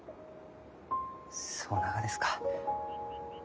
そうながですか。